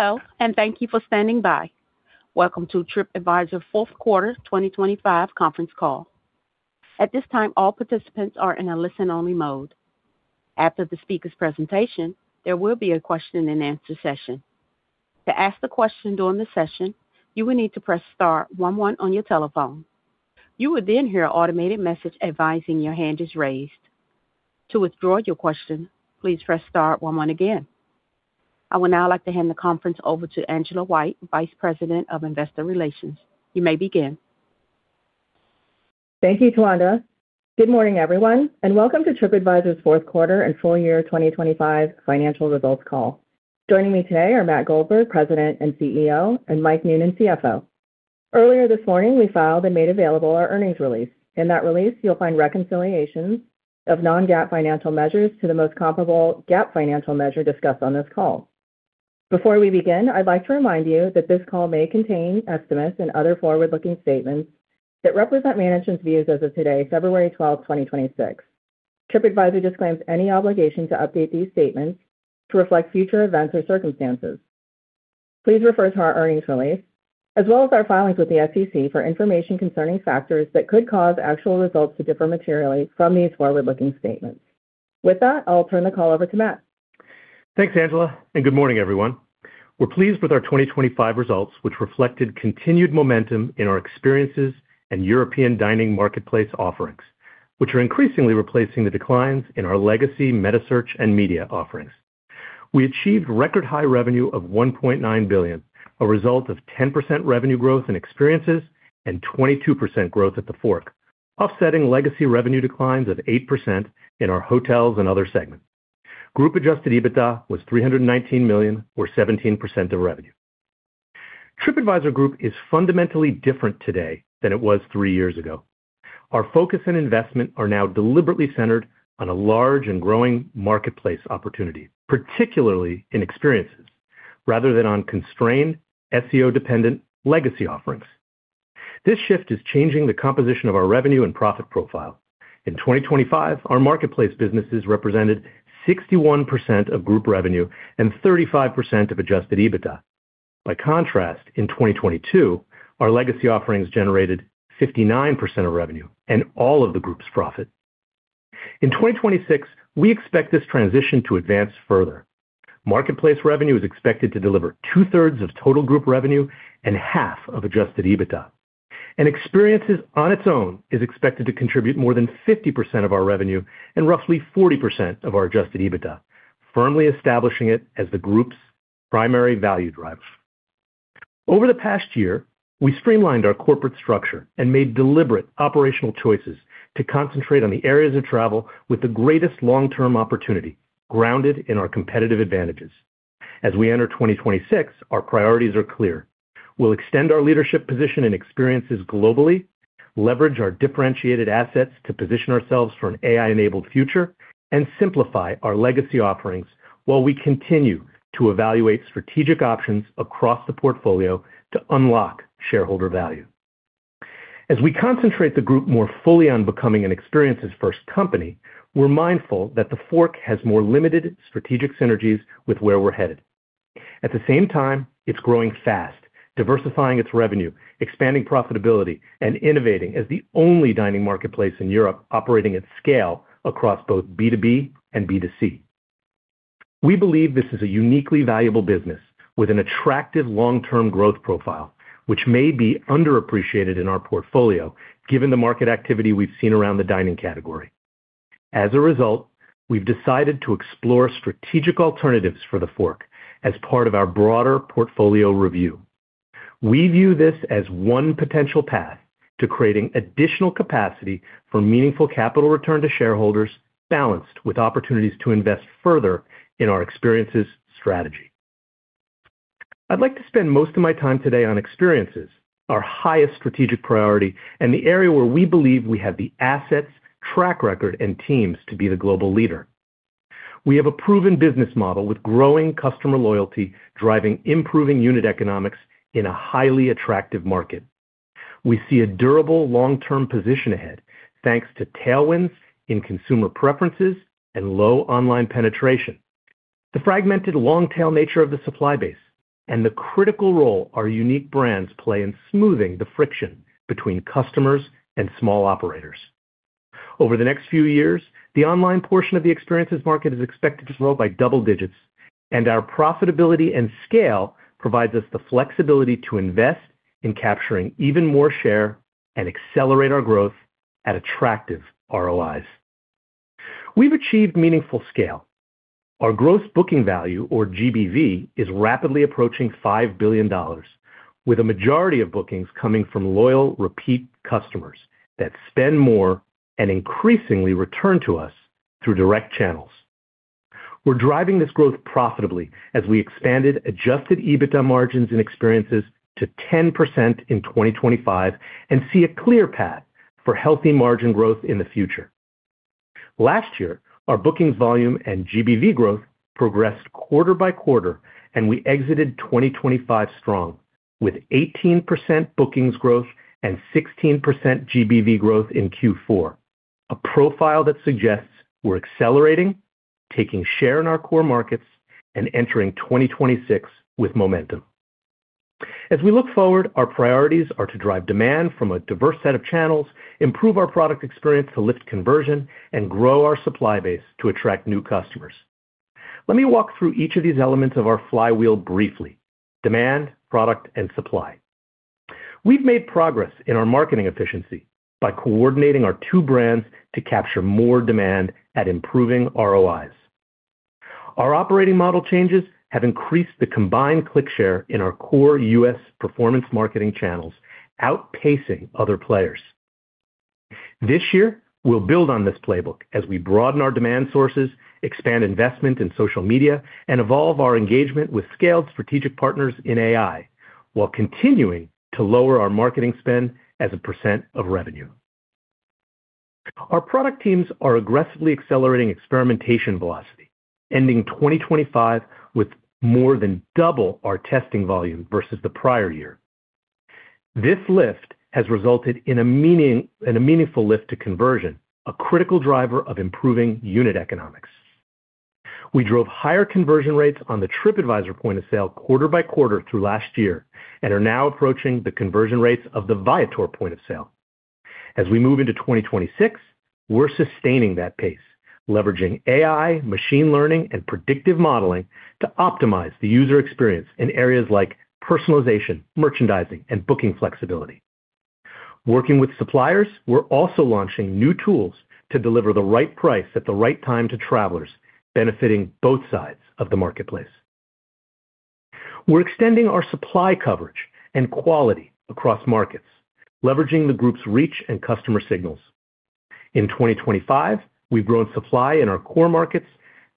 Hello, and thank you for standing by. Welcome to Tripadvisor fourth quarter 2025 conference call. At this time, all participants are in a listen-only mode. After the speaker's presentation, there will be a question-and-answer session. To ask the question during the session, you will need to press star one one on your telephone. You will then hear an automated message advising your hand is raised. To withdraw your question, please press star one one again. I would now like to hand the conference over to Angela White, Vice President of Investor Relations. You may begin. Thank you, Tawanda. Good morning, everyone, and welcome to Tripadvisor's fourth quarter and full year 2025 financial results call. Joining me today are Matt Goldberg, President and CEO, and Mike Noonan, CFO. Earlier this morning, we filed and made available our earnings release. In that release, you'll find reconciliations of non-GAAP financial measures to the most comparable GAAP financial measure discussed on this call. Before we begin, I'd like to remind you that this call may contain estimates and other forward-looking statements that represent management's views as of today, February 12, 2026. Tripadvisor disclaims any obligation to update these statements to reflect future events or circumstances. Please refer to our earnings release, as well as our filings with the SEC for information concerning factors that could cause actual results to differ materially from these forward-looking statements. With that, I'll turn the call over to Matt. Thanks, Angela, and good morning, everyone. We're pleased with our 2025 results, which reflected continued momentum in our experiences and European dining marketplace offerings, which are increasingly replacing the declines in our legacy meta search and media offerings. We achieved record high revenue of $1.9 billion, a result of 10% revenue growth in experiences and 22% growth at TheFork, offsetting legacy revenue declines of 8% in our hotels and other segments. Group adjusted EBITDA was $319 million, or 17% of revenue. Tripadvisor Group is fundamentally different today than it was three years ago. Our focus and investment are now deliberately centered on a large and growing marketplace opportunity, particularly in experiences, rather than on constrained, SEO-dependent legacy offerings. This shift is changing the composition of our revenue and profit profile. In 2025, our marketplace businesses represented 61% of group revenue and 35% of Adjusted EBITDA. By contrast, in 2022, our legacy offerings generated 59% of revenue and all of the group's profit. In 2026, we expect this transition to advance further. Marketplace revenue is expected to deliver two-thirds of total group revenue and half of Adjusted EBITDA. Experiences on its own is expected to contribute more than 50% of our revenue and roughly 40% of our Adjusted EBITDA, firmly establishing it as the group's primary value driver. Over the past year, we streamlined our corporate structure and made deliberate operational choices to concentrate on the areas of travel with the greatest long-term opportunity, grounded in our competitive advantages. As we enter 2026, our priorities are clear. We'll extend our leadership position and experiences globally, leverage our differentiated assets to position ourselves for an AI-enabled future, and simplify our legacy offerings while we continue to evaluate strategic options across the portfolio to unlock shareholder value. As we concentrate the group more fully on becoming an experiences-first company, we're mindful that TheFork has more limited strategic synergies with where we're headed. At the same time, it's growing fast, diversifying its revenue, expanding profitability, and innovating as the only dining marketplace in Europe operating at scale across both B2B and B2C. We believe this is a uniquely valuable business with an attractive long-term growth profile, which may be underappreciated in our portfolio, given the market activity we've seen around the dining category. As a result, we've decided to explore strategic alternatives for TheFork as part of our broader portfolio review. We view this as one potential path to creating additional capacity for meaningful capital return to shareholders, balanced with opportunities to invest further in our experiences strategy. I'd like to spend most of my time today on experiences, our highest strategic priority and the area where we believe we have the assets, track record, and teams to be the global leader. We have a proven business model with growing customer loyalty, driving improving unit economics in a highly attractive market. We see a durable long-term position ahead, thanks to tailwinds in consumer preferences and low online penetration, the fragmented long-tail nature of the supply base, and the critical role our unique brands play in smoothing the friction between customers and small operators. Over the next few years, the online portion of the experiences market is expected to grow by double digits, and our profitability and scale provides us the flexibility to invest in capturing even more share and accelerate our growth at attractive ROIs. We've achieved meaningful scale. Our gross booking value, or GBV, is rapidly approaching $5 billion, with a majority of bookings coming from loyal, repeat customers that spend more and increasingly return to us through direct channels. We're driving this growth profitably as we expanded adjusted EBITDA margins and experiences to 10% in 2025 and see a clear path for healthy margin growth in the future. Last year, our bookings volume and GBV growth progressed quarter by quarter, and we exited 2025 strong, with 18% bookings growth and 16% GBV growth in Q4.... A profile that suggests we're accelerating, taking share in our core markets, and entering 2026 with momentum. As we look forward, our priorities are to drive demand from a diverse set of channels, improve our product experience to lift conversion, and grow our supply base to attract new customers. Let me walk through each of these elements of our flywheel briefly: demand, product, and supply. We've made progress in our marketing efficiency by coordinating our two brands to capture more demand at improving ROIs. Our operating model changes have increased the combined click share in our core U.S. performance marketing channels, outpacing other players. This year, we'll build on this playbook as we broaden our demand sources, expand investment in social media, and evolve our engagement with scaled strategic partners in AI, while continuing to lower our marketing spend as a % of revenue. Our product teams are aggressively accelerating experimentation velocity, ending 2025 with more than double our testing volume versus the prior year. This lift has resulted in a meaningful lift to conversion, a critical driver of improving unit economics. We drove higher conversion rates on the Tripadvisor point of sale quarter by quarter through last year, and are now approaching the conversion rates of the Viator point of sale. As we move into 2026, we're sustaining that pace, leveraging AI, machine learning, and predictive modeling to optimize the user experience in areas like personalization, merchandising, and booking flexibility. Working with suppliers, we're also launching new tools to deliver the right price at the right time to travelers, benefiting both sides of the marketplace. We're extending our supply coverage and quality across markets, leveraging the group's reach and customer signals. In 2025, we've grown supply in our core markets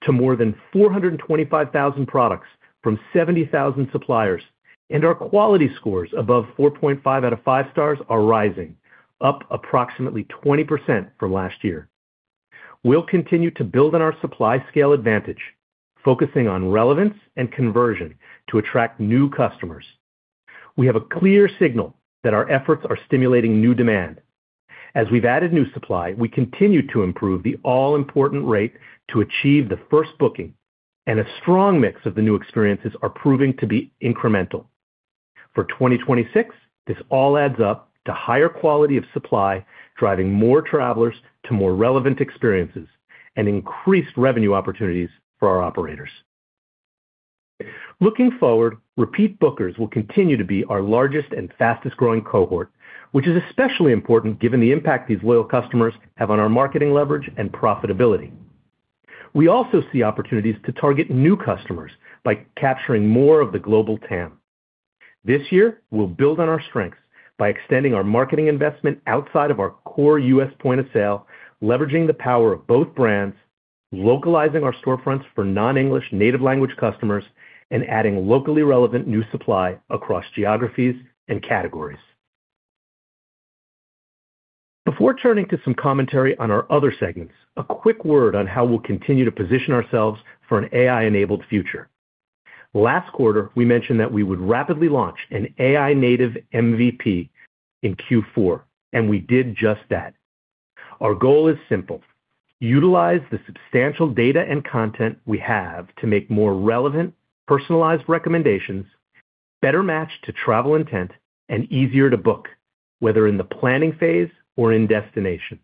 to more than 425,000 products from 70,000 suppliers, and our quality scores above 4.5 out of five stars are rising, up approximately 20% from last year. We'll continue to build on our supply scale advantage, focusing on relevance and conversion to attract new customers. We have a clear signal that our efforts are stimulating new demand. As we've added new supply, we continue to improve the all-important rate to achieve the first booking, and a strong mix of the new experiences are proving to be incremental. For 2026, this all adds up to higher quality of supply, driving more travelers to more relevant experiences and increased revenue opportunities for our operators. Looking forward, repeat bookers will continue to be our largest and fastest-growing cohort, which is especially important given the impact these loyal customers have on our marketing leverage and profitability. We also see opportunities to target new customers by capturing more of the global TAM. This year, we'll build on our strengths by extending our marketing investment outside of our core U.S. point of sale, leveraging the power of both brands, localizing our storefronts for non-English native language customers, and adding locally relevant new supply across geographies and categories. Before turning to some commentary on our other segments, a quick word on how we'll continue to position ourselves for an AI-enabled future. Last quarter, we mentioned that we would rapidly launch an AI-native MVP in Q4, and we did just that. Our goal is simple: utilize the substantial data and content we have to make more relevant, personalized recommendations, better matched to travel intent, and easier to book, whether in the planning phase or in destination.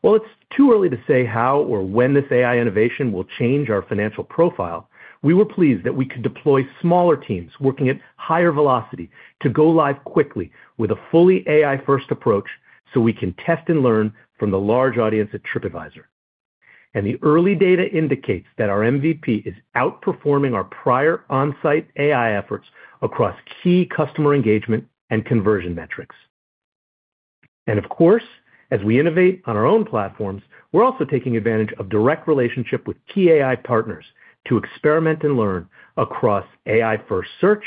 While it's too early to say how or when this AI innovation will change our financial profile, we were pleased that we could deploy smaller teams working at higher velocity to go live quickly with a fully AI-first approach, so we can test and learn from the large audience at Tripadvisor. The early data indicates that our MVP is outperforming our prior on-site AI efforts across key customer engagement and conversion metrics. Of course, as we innovate on our own platforms, we're also taking advantage of direct relationship with key AI partners to experiment and learn across AI-first search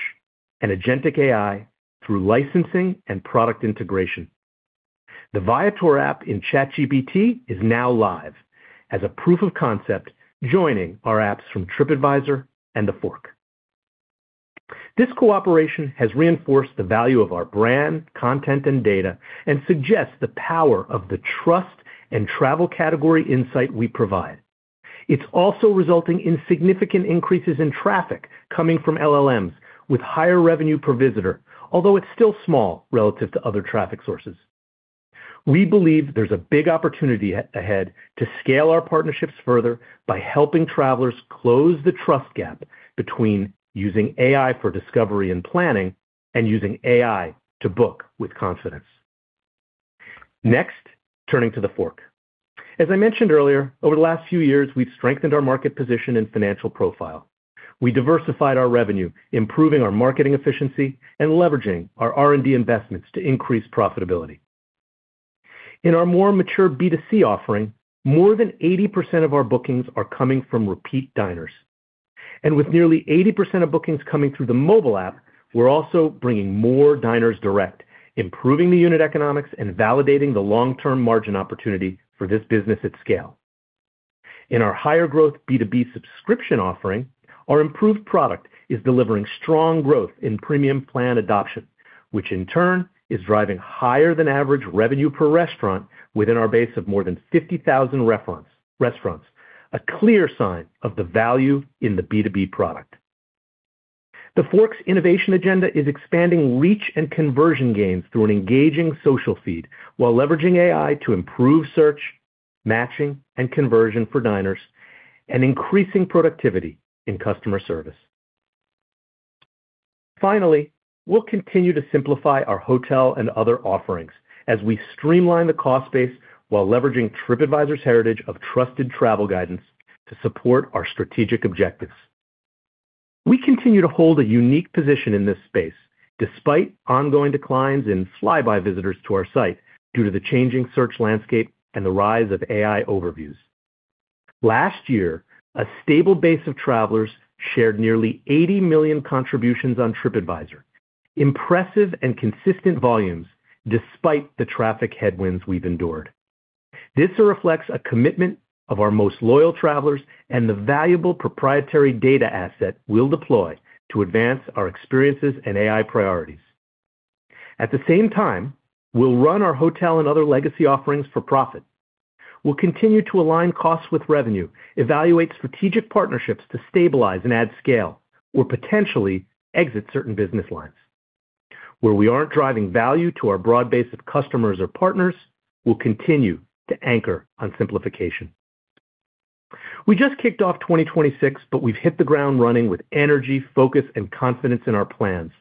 and agentic AI through licensing and product integration. The Viator app in ChatGPT is now live as a proof of concept, joining our apps from Tripadvisor and TheFork. This cooperation has reinforced the value of our brand, content, and data, and suggests the power of the trust and travel category insight we provide. It's also resulting in significant increases in traffic coming from LLMs, with higher revenue per visitor, although it's still small relative to other traffic sources. We believe there's a big opportunity ahead to scale our partnerships further by helping travelers close the trust gap between using AI for discovery and planning, and using AI to book with confidence. Next, turning to TheFork. As I mentioned earlier, over the last few years, we've strengthened our market position and financial profile. We diversified our revenue, improving our marketing efficiency, and leveraging our R&D investments to increase profitability. In our more mature B2C offering, more than 80% of our bookings are coming from repeat diners. With nearly 80% of bookings coming through the mobile app, we're also bringing more diners direct, improving the unit economics, and validating the long-term margin opportunity for this business at scale. In our higher growth B2B subscription offering, our improved product is delivering strong growth in premium plan adoption, which in turn is driving higher than average revenue per restaurant within our base of more than 50,000 referents - restaurants, a clear sign of the value in the B2B product. TheFork's innovation agenda is expanding reach and conversion gains through an engaging social feed, while leveraging AI to improve search, matching, and conversion for diners and increasing productivity in customer service. Finally, we'll continue to simplify our hotel and other offerings as we streamline the cost base while leveraging Tripadvisor's heritage of trusted travel guidance to support our strategic objectives. We continue to hold a unique position in this space, despite ongoing declines in flyby visitors to our site due to the changing search landscape and the rise of AI overviews. Last year, a stable base of travelers shared nearly 80 million contributions on Tripadvisor, impressive and consistent volumes despite the traffic headwinds we've endured. This reflects a commitment of our most loyal travelers and the valuable proprietary data asset we'll deploy to advance our experiences and AI priorities. At the same time, we'll run our hotel and other legacy offerings for profit. We'll continue to align costs with revenue, evaluate strategic partnerships to stabilize and add scale, or potentially exit certain business lines. Where we aren't driving value to our broad base of customers or partners, we'll continue to anchor on simplification. We just kicked off 2026, but we've hit the ground running with energy, focus, and confidence in our plans.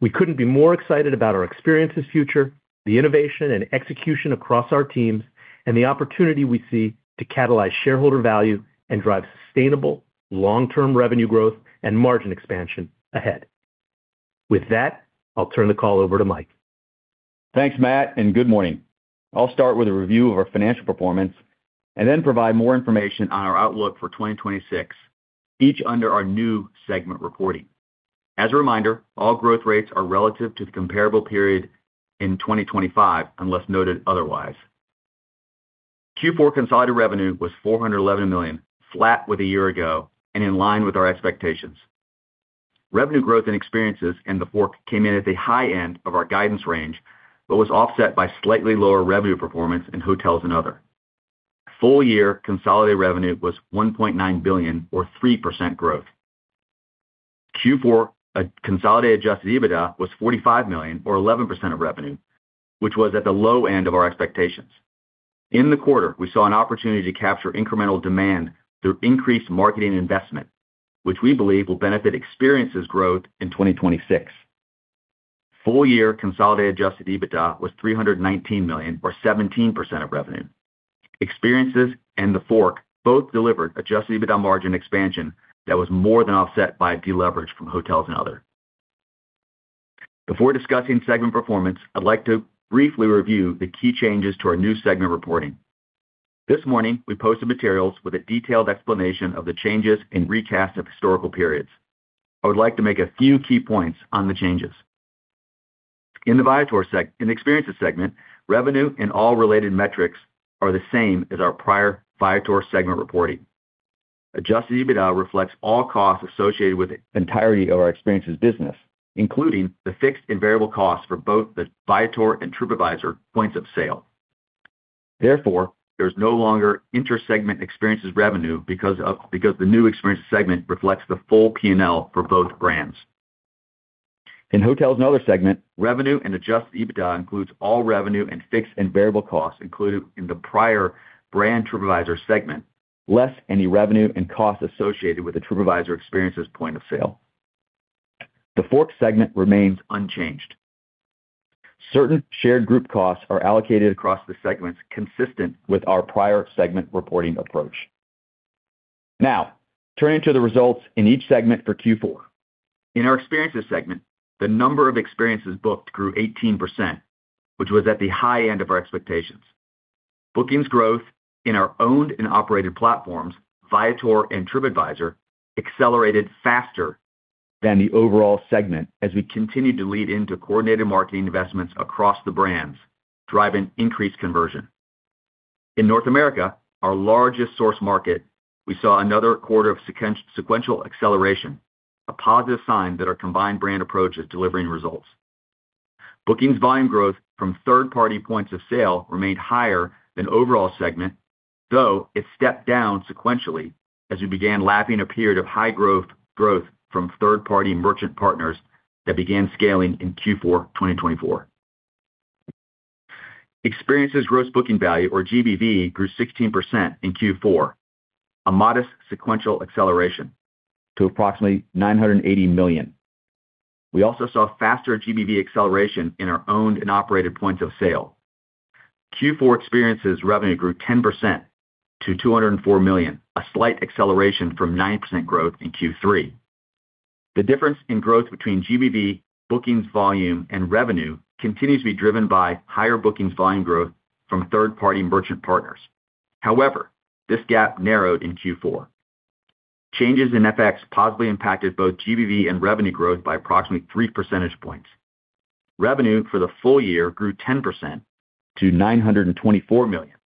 We couldn't be more excited about our experiences future, the innovation and execution across our teams, and the opportunity we see to catalyze shareholder value and drive sustainable long-term revenue growth and margin expansion ahead. With that, I'll turn the call over to Mike. Thanks, Matt, and good morning. I'll start with a review of our financial performance and then provide more information on our outlook for 2026, each under our new segment reporting. As a reminder, all growth rates are relative to the comparable period in 2025, unless noted otherwise. Q4 consolidated revenue was $411 million, flat with a year ago, and in line with our expectations. Revenue growth and experiences in TheFork came in at the high end of our guidance range, but was offset by slightly lower revenue performance in hotels and other. Full year consolidated revenue was $1.9 billion or 3% growth. Q4 consolidated Adjusted EBITDA was $45 million or 11% of revenue, which was at the low end of our expectations. In the quarter, we saw an opportunity to capture incremental demand through increased marketing investment, which we believe will benefit experiences growth in 2026. Full year consolidated Adjusted EBITDA was $319 million, or 17% of revenue. Experiences and TheFork both delivered Adjusted EBITDA margin expansion that was more than offset by a deleverage from hotels and other. Before discussing segment performance, I'd like to briefly review the key changes to our new segment reporting. This morning, we posted materials with a detailed explanation of the changes in recast of historical periods. I would like to make a few key points on the changes. In the experiences segment, revenue and all related metrics are the same as our prior Viator segment reporting. Adjusted EBITDA reflects all costs associated with the entirety of our experiences business, including the fixed and variable costs for both the Viator and Tripadvisor points of sale. Therefore, there's no longer inter-segment experiences revenue because the new experience segment reflects the full P&L for both brands. In hotels and other segment, revenue and adjusted EBITDA includes all revenue and fixed and variable costs included in the prior brand Tripadvisor segment, less any revenue and costs associated with the Tripadvisor experiences point of sale. TheFork segment remains unchanged. Certain shared group costs are allocated across the segments, consistent with our prior segment reporting approach. Now, turning to the results in each segment for Q4. In our experiences segment, the number of experiences booked grew 18%, which was at the high end of our expectations. Bookings growth in our owned and operated platforms, Viator and Tripadvisor, accelerated faster than the overall segment as we continued to lead into coordinated marketing investments across the brands, driving increased conversion. In North America, our largest source market, we saw another quarter of sequential acceleration, a positive sign that our combined brand approach is delivering results. Bookings volume growth from third-party points of sale remained higher than overall segment, though it stepped down sequentially as we began lapping a period of high growth from third-party merchant partners that began scaling in Q4 2024. Experiences gross booking value, or GBV, grew 16% in Q4, a modest sequential acceleration to approximately $980 million. We also saw faster GBV acceleration in our owned and operated points of sale. Q4 experiences revenue grew 10% to $204 million, a slight acceleration from 9% growth in Q3. The difference in growth between GBV, bookings volume, and revenue continues to be driven by higher bookings volume growth from third-party merchant partners. However, this gap narrowed in Q4. Changes in FX positively impacted both GBV and revenue growth by approximately three percentage points. Revenue for the full year grew 10% to $924 million.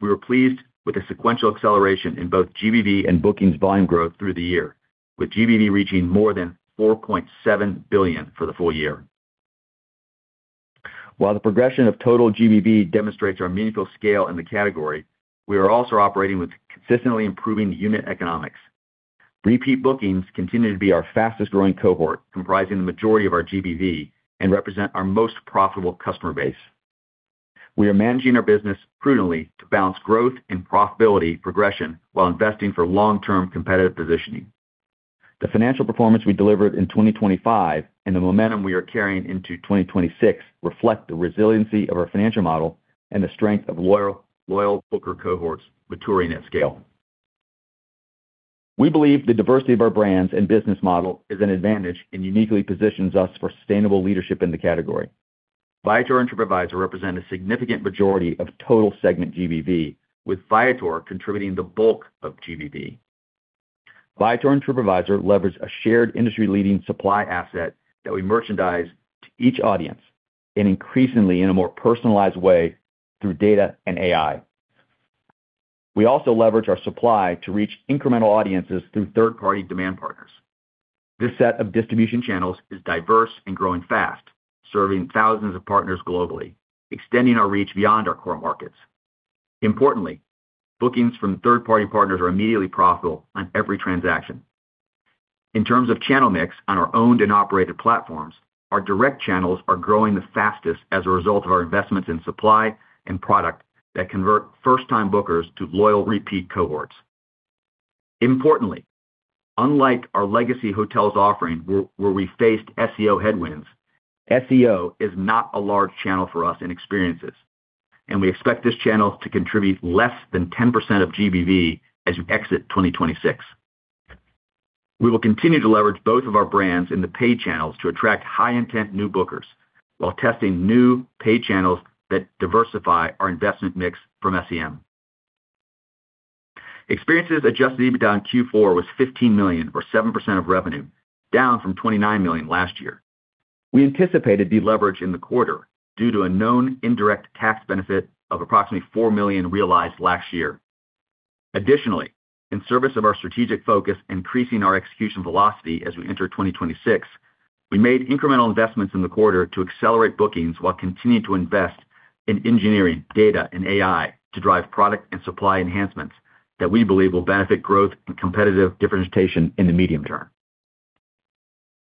We were pleased with the sequential acceleration in both GBV and bookings volume growth through the year, with GBV reaching more than $4.7 billion for the full year. While the progression of total GBV demonstrates our meaningful scale in the category, we are also operating with consistently improving unit economics. Repeat bookings continue to be our fastest growing cohort, comprising the majority of our GBV, and represent our most profitable customer base. We are managing our business prudently to balance growth and profitability progression while investing for long-term competitive positioning. The financial performance we delivered in 2025 and the momentum we are carrying into 2026 reflect the resiliency of our financial model and the strength of loyal, loyal booker cohorts maturing at scale. We believe the diversity of our brands and business model is an advantage and uniquely positions us for sustainable leadership in the category. Viator and Tripadvisor represent a significant majority of total segment GBV, with Viator contributing the bulk of GBV. Viator and Tripadvisor leverage a shared industry-leading supply asset that we merchandise to each audience, and increasingly in a more personalized way through data and AI. We also leverage our supply to reach incremental audiences through third-party demand partners. This set of distribution channels is diverse and growing fast, serving thousands of partners globally, extending our reach beyond our core markets. Importantly, bookings from third-party partners are immediately profitable on every transaction. In terms of channel mix on our owned and operated platforms, our direct channels are growing the fastest as a result of our investments in supply and product that convert first-time bookers to loyal repeat cohorts. Importantly, unlike our legacy hotels offering, where we faced SEO headwinds, SEO is not a large channel for us in experiences, and we expect this channel to contribute less than 10% of GBV as we exit 2026. We will continue to leverage both of our brands in the paid channels to attract high intent new bookers, while testing new paid channels that diversify our investment mix from SEM. Experiences Adjusted EBITDA in Q4 was $15 million, or 7% of revenue, down from $29 million last year. We anticipated deleverage in the quarter due to a known indirect tax benefit of approximately $4 million realized last year. Additionally, in service of our strategic focus, increasing our execution velocity as we enter 2026, we made incremental investments in the quarter to accelerate bookings, while continuing to invest in engineering, data, and AI to drive product and supply enhancements that we believe will benefit growth and competitive differentiation in the medium term.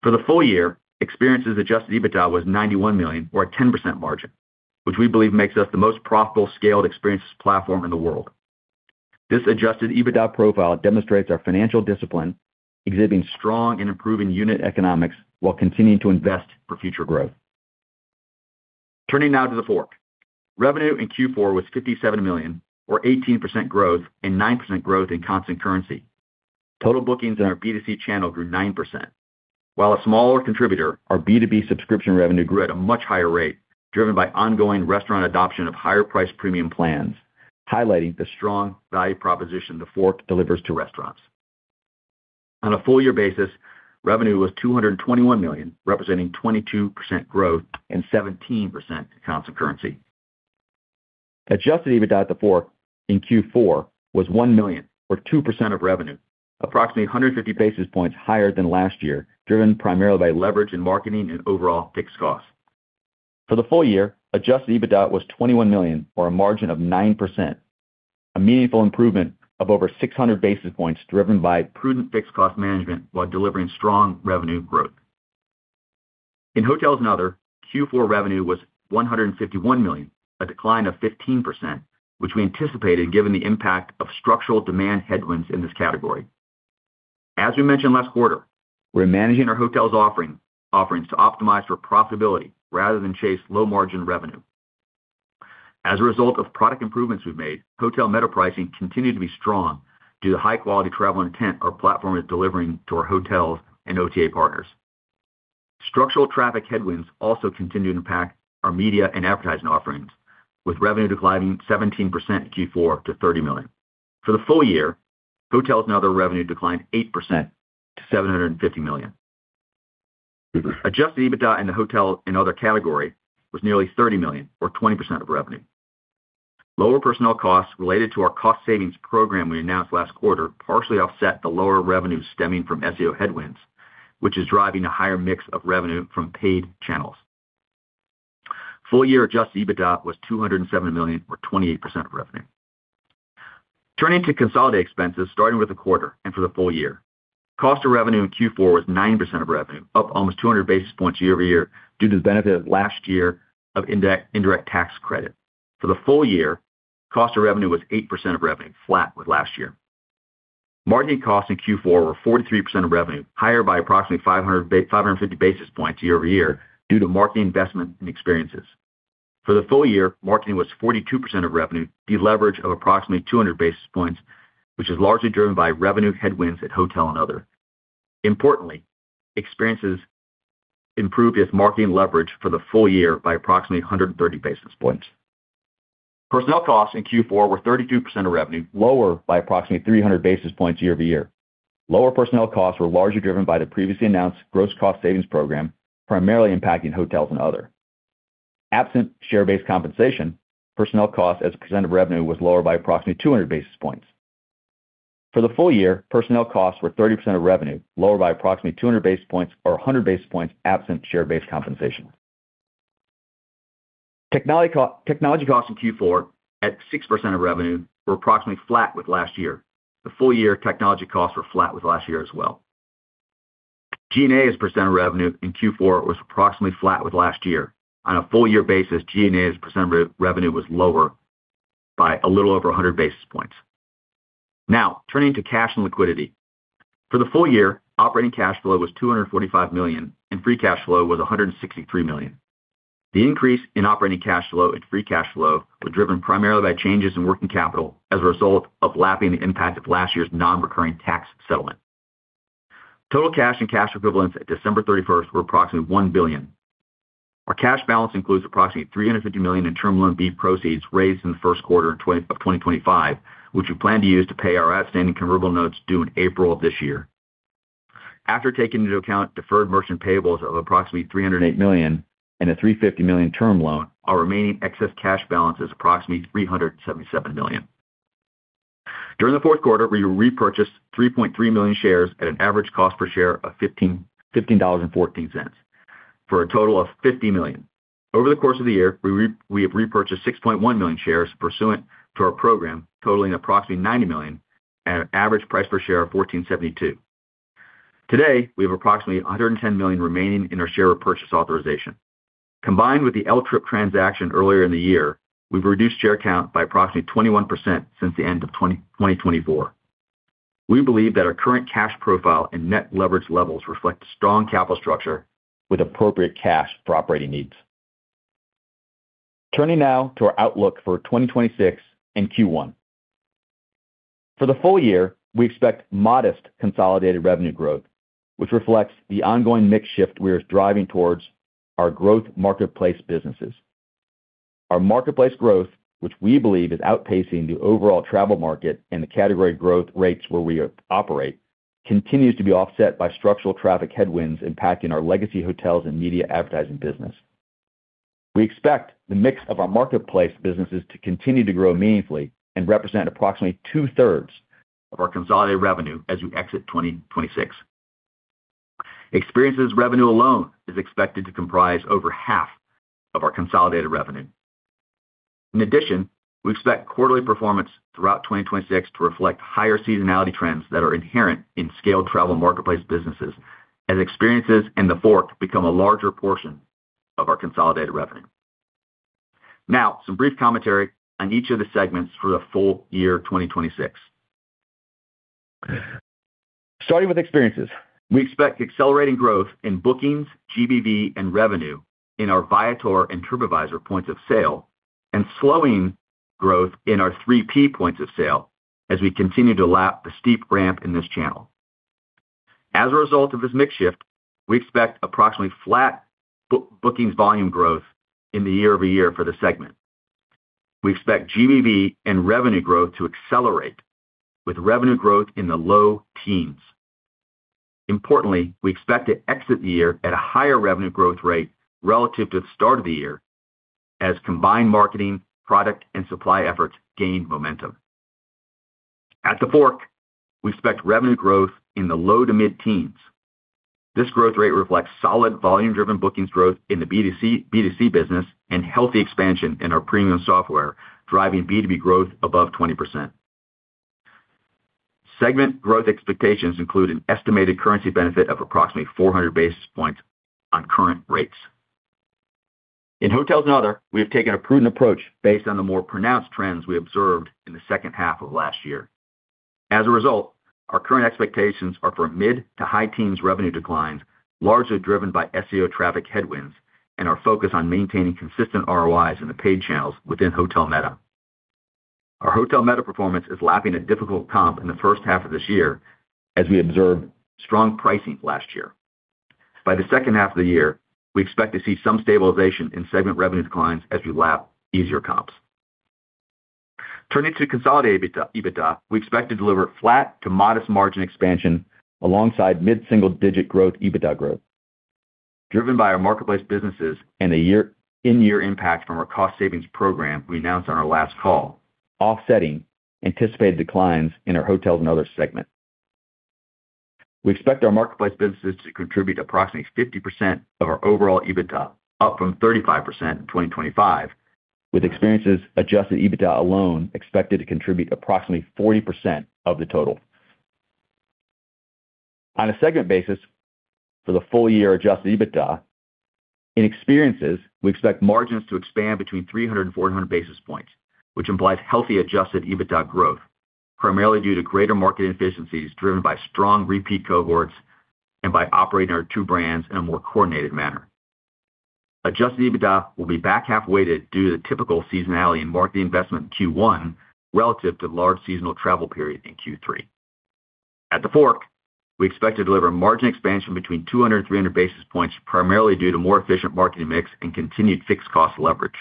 For the full year, experiences Adjusted EBITDA was $91 million, or a 10% margin, which we believe makes us the most profitable scaled experiences platform in the world. This Adjusted EBITDA profile demonstrates our financial discipline, exhibiting strong and improving unit economics while continuing to invest for future growth. Turning now to TheFork. Revenue in Q4 was $57 million, or 18% growth, and 9% growth in constant currency. Total bookings in our B2C channel grew 9%. While a smaller contributor, our B2B subscription revenue grew at a much higher rate, driven by ongoing restaurant adoption of higher priced premium plans, highlighting the strong value proposition TheFork delivers to restaurants. On a full year basis, revenue was $221 million, representing 22% growth and 17% constant currency. Adjusted EBITDA at TheFork in Q4 was $1 million, or 2% of revenue, approximately 150 basis points higher than last year, driven primarily by leverage in marketing and overall fixed costs. For the full year, adjusted EBITDA was $21 million, or a margin of 9%, a meaningful improvement of over 600 basis points, driven by prudent fixed cost management while delivering strong revenue growth. In hotels and other, Q4 revenue was $151 million, a decline of 15%, which we anticipated given the impact of structural demand headwinds in this category. As we mentioned last quarter, we're managing our hotels offerings to optimize for profitability rather than chase low margin revenue. As a result of product improvements we've made, hotel meta pricing continued to be strong due to the high quality travel intent our platform is delivering to our hotels and OTA partners. Structural traffic headwinds also continue to impact our media and advertising offerings, with revenue declining 17% in Q4 to $30 million. For the full year, hotels and other revenue declined 8% to $750 million. Adjusted EBITDA in the hotel and other category was nearly $30 million, or 20% of revenue. Lower personnel costs related to our cost savings program we announced last quarter, partially offset the lower revenue stemming from SEO headwinds, which is driving a higher mix of revenue from paid channels. Full year adjusted EBITDA was $207 million, or 28% of revenue. Turning to consolidated expenses, starting with the quarter and for the full year. Cost of revenue in Q4 was 9% of revenue, up almost 200 basis points year-over-year due to the benefit of last year of indirect tax credit. For the full year, cost of revenue was 8% of revenue, flat with last year. Marketing costs in Q4 were 43% of revenue, higher by approximately 550 basis points year-over-year due to marketing investment and experiences. For the full year, marketing was 42% of revenue, deleverage of approximately 200 basis points, which is largely driven by revenue headwinds at hotel and other. Importantly, experiences improved its marketing leverage for the full year by approximately 130 basis points. Personnel costs in Q4 were 32% of revenue, lower by approximately 300 basis points year-over-year. Lower personnel costs were largely driven by the previously announced gross cost savings program, primarily impacting hotels and other. Absent share-based compensation, personnel costs as a % of revenue was lower by approximately 200 basis points. For the full year, personnel costs were 30% of revenue, lower by approximately 200 basis points or 100 basis points, absent share-based compensation. Technology costs in Q4, at 6% of revenue, were approximately flat with last year. The full year technology costs were flat with last year as well. G&A as a % of revenue in Q4 was approximately flat with last year. On a full year basis, G&A as a % of revenue was lower by a little over 100 basis points. Now, turning to cash and liquidity. For the full year, operating cash flow was $245 million, and free cash flow was $163 million. The increase in operating cash flow and free cash flow were driven primarily by changes in working capital as a result of lapping the impact of last year's non-recurring tax settlement. Total cash and cash equivalents at December 31 were approximately $1 billion. Our cash balance includes approximately $350 million in Term Loan B proceeds raised in the first quarter of 2025, which we plan to use to pay our outstanding convertible notes due in April of this year. After taking into account deferred merchant payables of approximately $308 million and a $350 million Term Loan B, our remaining excess cash balance is approximately $377 million. During the fourth quarter, we repurchased 3.3 million shares at an average cost per share of $15.15, for a total of $50 million. Over the course of the year, we have repurchased 6.1 million shares pursuant to our program, totaling approximately $90 million at an average price per share of $14.72. Today, we have approximately $110 million remaining in our share repurchase authorization. Combined with the Liberty TripAdvisor transaction earlier in the year, we've reduced share count by approximately 21% since the end of 2024. We believe that our current cash profile and net leverage levels reflect a strong capital structure with appropriate cash for operating needs. Turning now to our outlook for 2026 and Q1. For the full year, we expect modest consolidated revenue growth, which reflects the ongoing mix shift we are driving towards our growth marketplace businesses. Our marketplace growth, which we believe is outpacing the overall travel market and the category growth rates where we operate, continues to be offset by structural traffic headwinds impacting our legacy hotels and media advertising business. We expect the mix of our marketplace businesses to continue to grow meaningfully and represent approximately two-thirds of our consolidated revenue as we exit 2026. Experiences revenue alone is expected to comprise over half of our consolidated revenue. In addition, we expect quarterly performance throughout 2026 to reflect higher seasonality trends that are inherent in scaled travel marketplace businesses, as Experiences and TheFork become a larger portion of our consolidated revenue. Now, some brief commentary on each of the segments for the full year 2026. Starting with experiences, we expect accelerating growth in bookings, GBV, and revenue in our Viator and Tripadvisor points of sale, and slowing growth in our 3P points of sale as we continue to lap the steep ramp in this channel. As a result of this mix shift, we expect approximately flat bookings volume growth year-over-year for the segment. We expect GBV and revenue growth to accelerate, with revenue growth in the low teens. Importantly, we expect to exit the year at a higher revenue growth rate relative to the start of the year as combined marketing, product, and supply efforts gain momentum. At TheFork, we expect revenue growth in the low to mid-teens. This growth rate reflects solid volume-driven bookings growth in the B2C business and healthy expansion in our premium software, driving B2B growth above 20%. Segment growth expectations include an estimated currency benefit of approximately 400 basis points on current rates. In hotels and other, we have taken a prudent approach based on the more pronounced trends we observed in the second half of last year. As a result, our current expectations are for mid- to high-teens revenue declines, largely driven by SEO traffic headwinds and our focus on maintaining consistent ROIs in the paid channels within Hotel Meta. Our Hotel Meta performance is lapping a difficult comp in the first half of this year as we observed strong pricing last year. By the second half of the year, we expect to see some stabilization in segment revenue declines as we lap easier comps. Turning to consolidated EBITDA, we expect to deliver flat to modest margin expansion alongside mid-single-digit EBITDA growth, driven by our marketplace businesses and a year-in-year impact from our cost savings program we announced on our last call, offsetting anticipated declines in our hotels and other segment. We expect our marketplace businesses to contribute approximately 50% of our overall EBITDA, up from 35% in 2025, with experiences adjusted EBITDA alone expected to contribute approximately 40% of the total. On a segment basis, for the full year adjusted EBITDA, in experiences, we expect margins to expand between 300 and 400 basis points, which implies healthy adjusted EBITDA growth, primarily due to greater marketing efficiencies driven by strong repeat cohorts and by operating our two brands in a more coordinated manner. Adjusted EBITDA will be back half weighted due to the typical seasonality in marketing investment in Q1, relative to the large seasonal travel period in Q3. At TheFork, we expect to deliver a margin expansion between 200 and 300 basis points, primarily due to more efficient marketing mix and continued fixed cost leverage.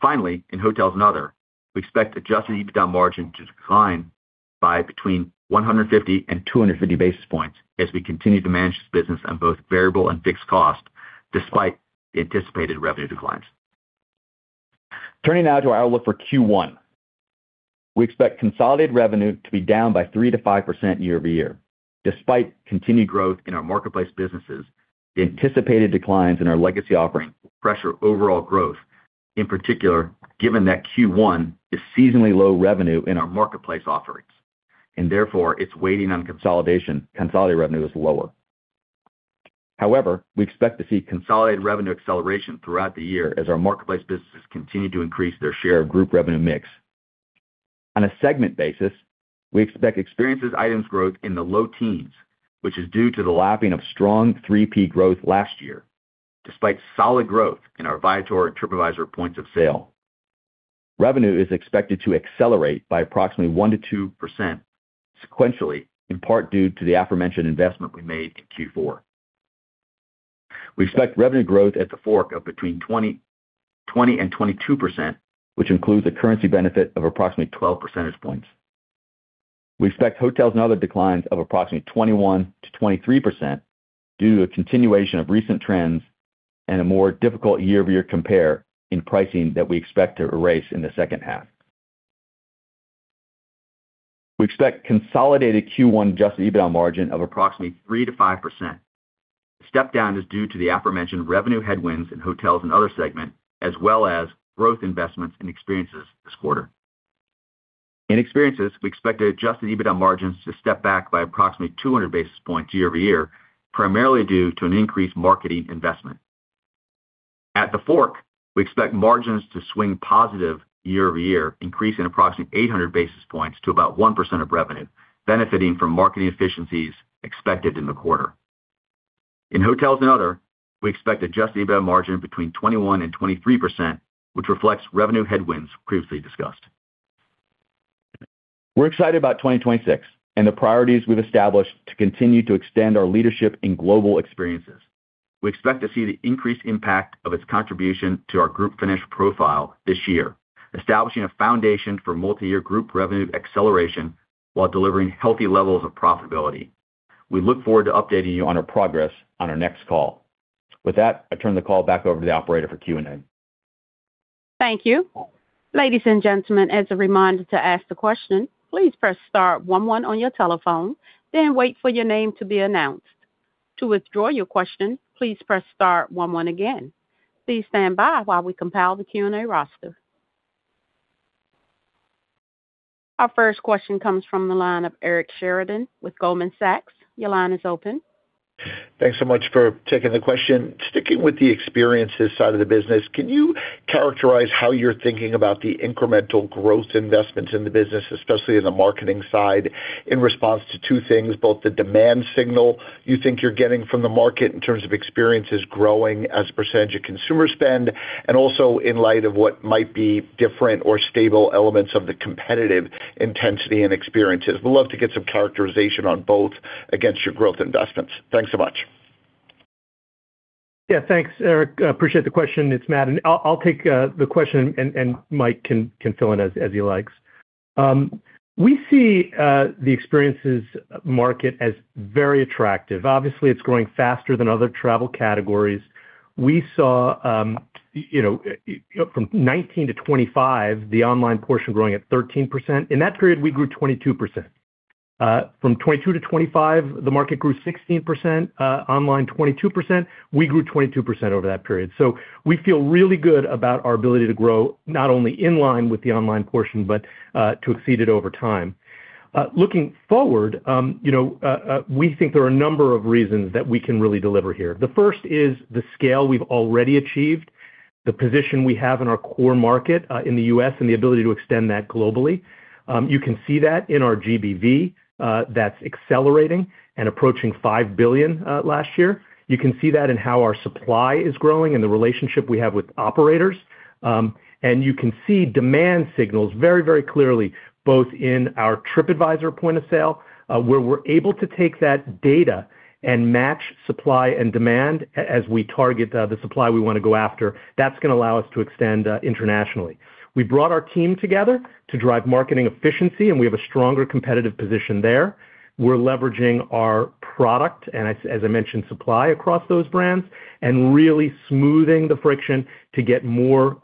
Finally, in hotels and other, we expect adjusted EBITDA margin to decline by between 150 and 250 basis points as we continue to manage this business on both variable and fixed cost, despite the anticipated revenue declines. Turning now to our outlook for Q1. We expect consolidated revenue to be down by 3%-5% year-over-year. Despite continued growth in our marketplace businesses, the anticipated declines in our legacy offerings will pressure overall growth, in particular, given that Q1 is seasonally low revenue in our marketplace offerings, and therefore its weighting on consolidated revenue is lower. However, we expect to see consolidated revenue acceleration throughout the year as our marketplace businesses continue to increase their share of group revenue mix. On a segment basis, we expect experiences items growth in the low teens, which is due to the lapping of strong 3P growth last year, despite solid growth in our Viator and Tripadvisor points of sale. Revenue is expected to accelerate by approximately 1%-2% sequentially, in part due to the aforementioned investment we made in Q4. We expect revenue growth at TheFork of between 20, 20 and 22%, which includes a currency benefit of approximately 12 percentage points. We expect hotels and other declines of approximately 21%-23%, due to a continuation of recent trends and a more difficult year-over-year compare in pricing that we expect to erase in the second half. We expect consolidated Q1 Adjusted EBITDA margin of approximately 3%-5%. The step down is due to the aforementioned revenue headwinds in hotels and other segment, as well as growth investments and experiences this quarter. In experiences, we expect Adjusted EBITDA margins to step back by approximately 200 basis points year-over-year, primarily due to an increased marketing investment. At TheFork, we expect margins to swing positive year-over-year, increasing approximately 800 basis points to about 1% of revenue, benefiting from marketing efficiencies expected in the quarter. In hotels and other, we expect Adjusted EBITDA margin between 21%-23%, which reflects revenue headwinds previously discussed. We're excited about 2026 and the priorities we've established to continue to extend our leadership in global experiences. We expect to see the increased impact of its contribution to our group financial profile this year, establishing a foundation for multi-year group revenue acceleration while delivering healthy levels of profitability. We look forward to updating you on our progress on our next call. With that, I turn the call back over to the operator for Q&A. Thank you. Ladies and gentlemen, as a reminder to ask the question, please press star one one on your telephone, then wait for your name to be announced. To withdraw your question, please press star one one again. Please stand by while we compile the Q&A roster. Our first question comes from the line of Eric Sheridan with Goldman Sachs. Your line is open. Thanks so much for taking the question. Sticking with the experiences side of the business, can you characterize how you're thinking about the incremental growth investments in the business, especially in the marketing side, in response to two things, both the demand signal you think you're getting from the market in terms of experiences growing as a percentage of consumer spend, and also in light of what might be different or stable elements of the competitive intensity and experiences? We'd love to get some characterization on both against your growth investments. Thanks so much. Yeah, thanks, Eric. I appreciate the question. It's Matt, and I'll take the question and Mike can fill in as he likes. We see the experiences market as very attractive. Obviously, it's growing faster than other travel categories. We saw, you know, from 2019 to 2025, the online portion growing at 13%. In that period, we grew 22%. From 2022 to 2025, the market grew 16%, online 22%. We grew 22% over that period. So we feel really good about our ability to grow, not only in line with the online portion, but to exceed it over time. Looking forward, you know, we think there are a number of reasons that we can really deliver here. The first is the scale we've already achieved, the position we have in our core market, in the U.S., and the ability to extend that globally. You can see that in our GBV, that's accelerating and approaching $5 billion last year. You can see that in how our supply is growing and the relationship we have with operators. And you can see demand signals very, very clearly, both in our Tripadvisor point-of-sale, where we're able to take that data and match supply and demand as we target the supply we want to go after. That's going to allow us to extend internationally. We brought our team together to drive marketing efficiency, and we have a stronger competitive position there. We're leveraging our product, and as I mentioned, supply across those brands, and really smoothing the friction to get more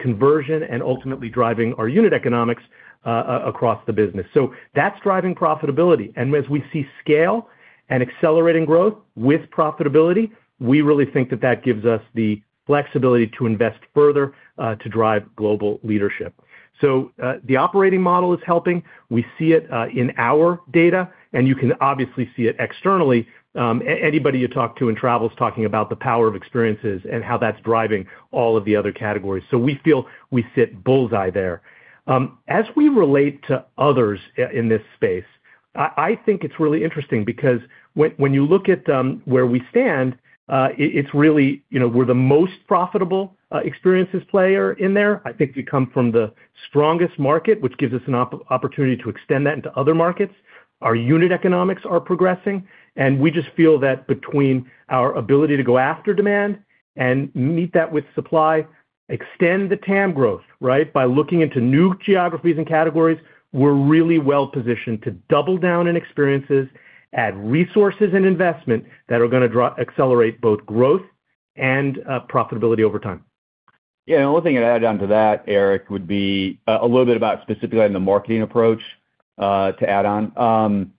conversion and ultimately driving our unit economics across the business. So that's driving profitability, and as we see scale and accelerating growth with profitability, we really think that that gives us the flexibility to invest further to drive global leadership. So the operating model is helping. We see it in our data, and you can obviously see it externally. Anybody you talk to in travel is talking about the power of experiences and how that's driving all of the other categories. So we feel we sit bull's-eye there. As we relate to others in this space, I think it's really interesting because when you look at where we stand, it's really, you know, we're the most profitable experiences player in there. I think we come from the strongest market, which gives us an opportunity to extend that into other markets. Our unit economics are progressing, and we just feel that between our ability to go after demand and meet that with supply, extend the TAM growth, right? By looking into new geographies and categories, we're really well positioned to double down in experiences, add resources and investment that are going to accelerate both growth and profitability over time. Yeah, and the only thing I'd add on to that, Eric, would be a little bit about specifically on the marketing approach, to add on.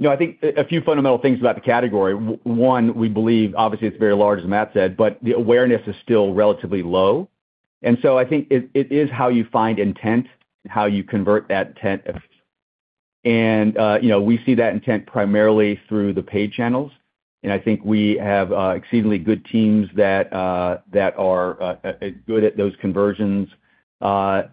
You know, I think a few fundamental things about the category. One, we believe, obviously, it's very large, as Matt said, but the awareness is still relatively low. And so I think it is how you find intent, how you convert that intent. And, you know, we see that intent primarily through the paid channels, and I think we have exceedingly good teams that are good at those conversions. And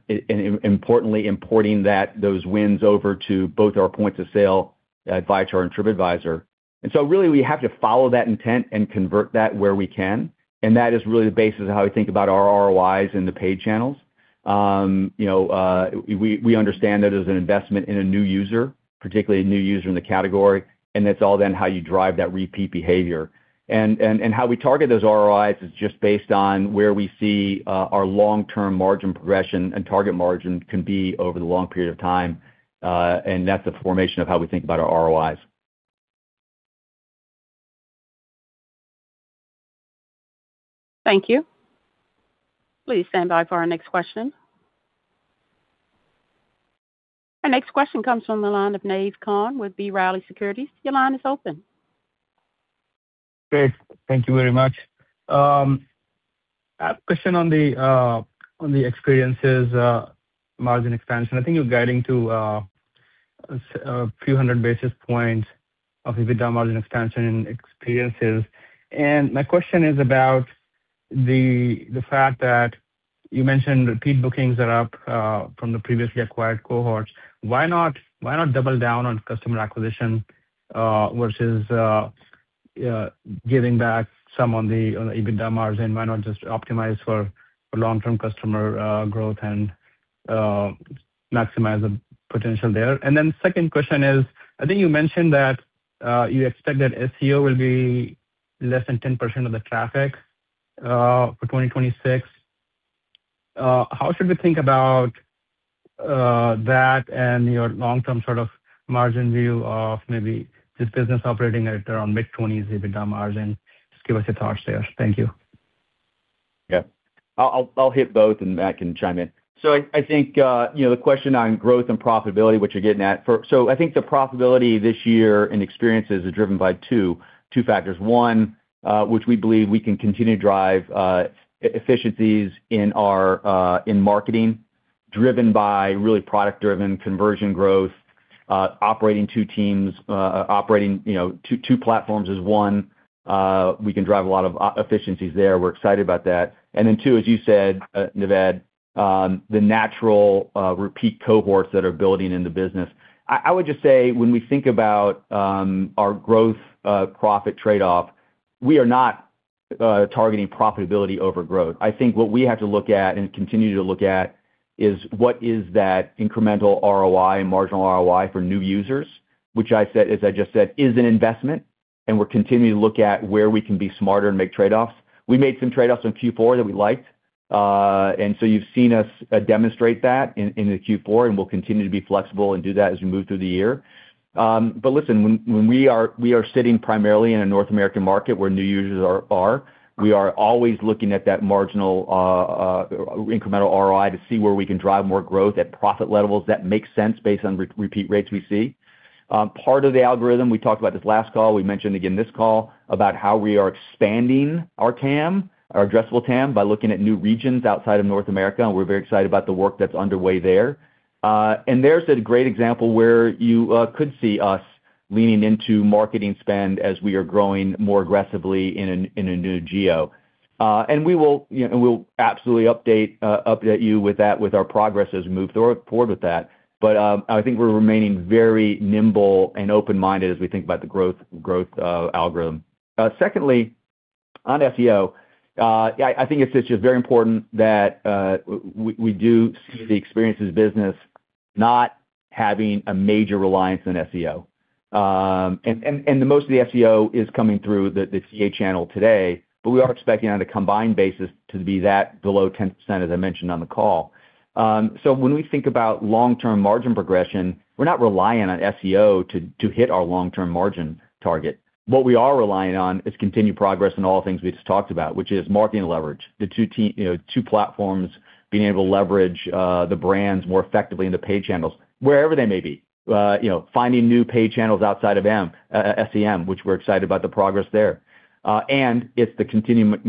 importantly, importing those wins over to both our points of sale at Viator and Tripadvisor. And so really, we have to follow that intent and convert that where we can, and that is really the basis of how we think about our ROIs in the paid channels. You know, we understand that as an investment in a new user, particularly a new user in the category, and that's all then how you drive that repeat behavior. And how we target those ROIs is just based on where we see our long-term margin progression and target margin can be over the long period of time, and that's a formation of how we think about our ROIs. Thank you. Please stand by for our next question. Our next question comes from the line of Naved Khan with B. Riley Securities. Your line is open. Great. Thank you very much. I have a question on the experiences margin expansion. I think you're guiding to a few hundred basis points of EBITDA margin expansion in experiences. And my question is about the fact that you mentioned repeat bookings are up from the previously acquired cohorts. Why not, why not double down on customer acquisition versus giving back some on the EBITDA margin? Why not just optimize for long-term customer growth and maximize the potential there? And then second question is, I think you mentioned that you expect that SEO will be less than 10% of the traffic for 2026. How should we think about that and your long-term sort of margin view of maybe this business operating at around mid-20s EBITDA margin? Just give us your thoughts there. Thank you. Yeah. I'll hit both, and Matt can chime in. So I think, you know, the question on growth and profitability, what you're getting at. So I think the profitability this year and experiences are driven by two factors. One, which we believe we can continue to drive, efficiencies in our marketing, driven by really product-driven conversion growth, operating two teams, operating, you know, two platforms is one. We can drive a lot of efficiencies there. We're excited about that. And then two, as you said, Naved, the natural, repeat cohorts that are building in the business. I would just say, when we think about, our growth, profit trade-off, we are not, targeting profitability over growth. I think what we have to look at and continue to look at is, what is that incremental ROI and marginal ROI for new users? Which I said, as I just said, is an investment, and we're continuing to look at where we can be smarter and make trade-offs. We made some trade-offs in Q4 that we liked. And so you've seen us demonstrate that in the Q4, and we'll continue to be flexible and do that as we move through the year. But listen, when we are sitting primarily in a North American market where new users are, we are always looking at that marginal incremental ROI to see where we can drive more growth at profit levels that make sense based on repeat rates we see. Part of the algorithm, we talked about this last call, we mentioned again this call, about how we are expanding our TAM, our addressable TAM, by looking at new regions outside of North America, and we're very excited about the work that's underway there. And there's a great example where you could see us leaning into marketing spend as we are growing more aggressively in a new geo. And we will, you know, and we'll absolutely update you with that, with our progress as we move through forward with that. But I think we're remaining very nimble and open-minded as we think about the growth, growth algorithm. Secondly, on SEO, I think it's just very important that we do see the experiences business not having a major reliance on SEO. The most of the SEO is coming through the CA channel today, but we are expecting on a combined basis to be that below 10%, as I mentioned on the call. So when we think about long-term margin progression, we're not reliant on SEO to hit our long-term margin target. What we are relying on is continued progress in all things we just talked about, which is marketing leverage, the two, you know, two platforms, being able to leverage the brands more effectively in the paid channels, wherever they may be. You know, finding new paid channels outside of M, SEM, which we're excited about the progress there. And it's the continuing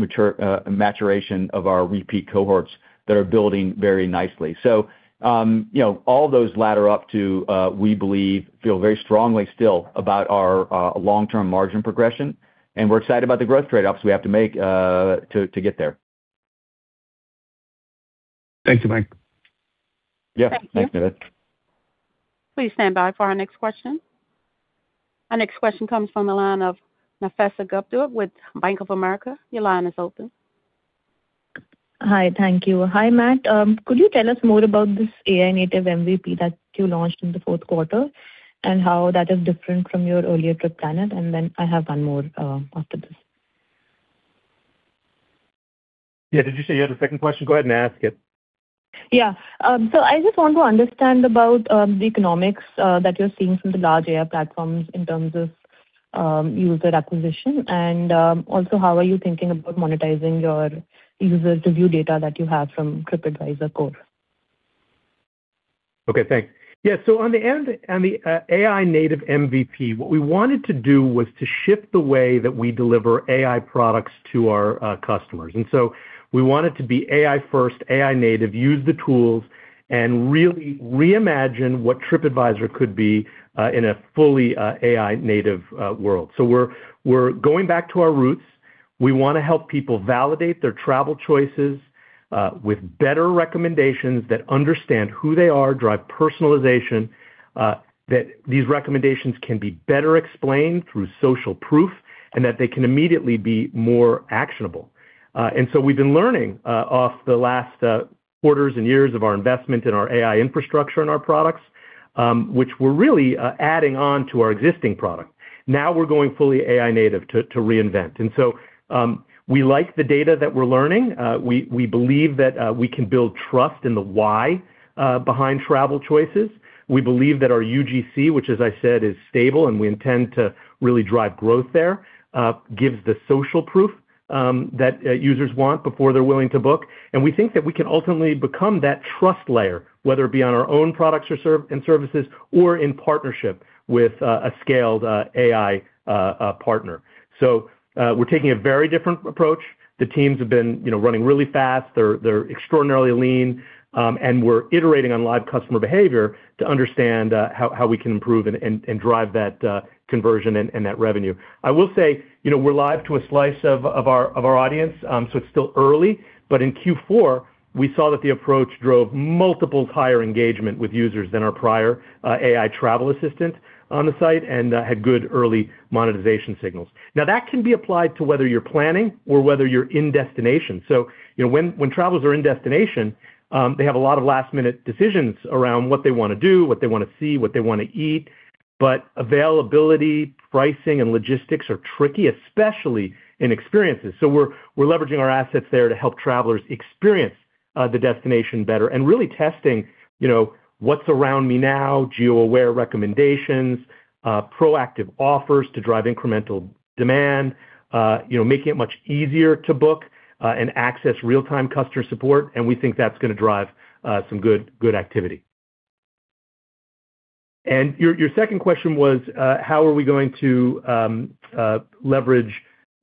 maturation of our repeat cohorts that are building very nicely. You know, all those ladder up to. We believe feel very strongly still about our long-term margin progression, and we're excited about the growth trade-offs we have to make to get there. Thank you, Mike. Yeah. Thanks, Naved. Please stand by for our next question. Our next question comes from the line of Nafeesa Gupta with Bank of America. Your line is open. Hi, thank you. Hi, Matt. Could you tell us more about this AI native MVP that you launched in the fourth quarter, and how that is different from your earlier TripPlanet? And then I have one more after this. Yeah. Did you say you had a second question? Go ahead and ask it. Yeah. So I just want to understand about the economics that you're seeing from the large AI platforms in terms of user acquisition. And also, how are you thinking about monetizing your user review data that you have from Tripadvisor core? Okay, thanks. Yeah, so on the AI native MVP, what we wanted to do was to shift the way that we deliver AI products to our customers. And so we want it to be AI first, AI native, use the tools and really reimagine what Tripadvisor could be in a fully AI native world. So we're going back to our roots. We wanna help people validate their travel choices with better recommendations that understand who they are, drive personalization, that these recommendations can be better explained through social proof, and that they can immediately be more actionable. And so we've been learning off the last quarters and years of our investment in our AI infrastructure and our products, which we're really adding on to our existing product. Now we're going fully AI native to reinvent. And so, we like the data that we're learning. We believe that we can build trust in the why behind travel choices. We believe that our UGC, which as I said, is stable, and we intend to really drive growth there, gives the social proof that users want before they're willing to book. And we think that we can ultimately become that trust layer, whether it be on our own products or services, or in partnership with a scaled AI partner. So, we're taking a very different approach. The teams have been, you know, running really fast. They're extraordinarily lean, and we're iterating on live customer behavior to understand how we can improve and drive that conversion and that revenue. I will say, you know, we're live to a slice of our audience, so it's still early. But in Q4, we saw that the approach drove multiples higher engagement with users than our prior AI travel assistant on the site and had good early monetization signals. Now, that can be applied to whether you're planning or whether you're in destination. So you know, when travelers are in destination, they have a lot of last-minute decisions around what they wanna do, what they wanna see, what they wanna eat, but availability, pricing, and logistics are tricky, especially in experiences. So we're leveraging our assets there to help travelers experience the destination better and really testing, you know, what's around me now, geo-aware recommendations, proactive offers to drive incremental demand, you know, making it much easier to book and access real-time customer support. And we think that's gonna drive some good activity. And your second question was, how are we going to leverage,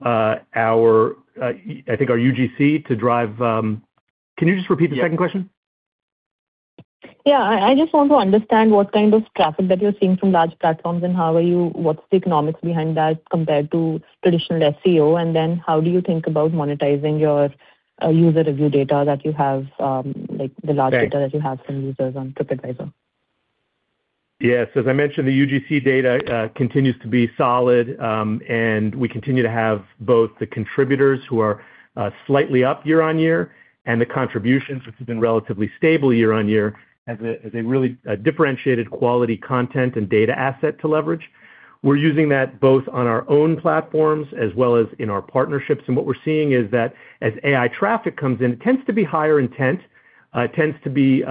I think, our UGC to drive... Can you just repeat the second question? Yeah. I just want to understand what kind of traffic that you're seeing from large platforms, and how are you, what's the economics behind that compared to traditional SEO? And then how do you think about monetizing your user review data that you have, like the large- Right. data that you have from users on Tripadvisor? Yes. As I mentioned, the UGC data continues to be solid, and we continue to have both the contributors who are slightly up year-over-year, and the contributions, which have been relatively stable year-over-year, as a really differentiated quality content and data asset to leverage. We're using that both on our own platforms as well as in our partnerships, and what we're seeing is that as AI traffic comes in, it tends to be higher intent. It tends to be, you